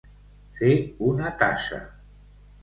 Fer una tassa.